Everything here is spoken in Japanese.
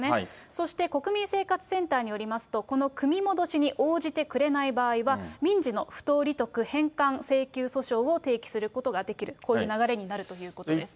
そして、国民生活センターによりますと、この組み戻しに応じてくれない場合は、民事の不当利得返還請求訴訟を提起することができる、こういう流れになるということです。